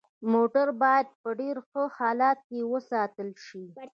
موټر باید په ډیر ښه حالت کې وساتل شي